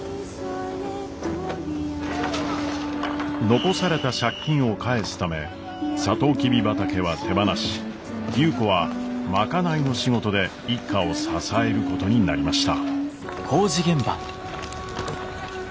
残された借金を返すためサトウキビ畑は手放し優子は賄いの仕事で一家を支えることになりました。